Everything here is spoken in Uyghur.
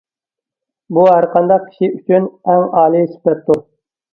بۇ ھەر قانداق كىشى ئۈچۈن ئەڭ ئالىي سۈپەتتۇر.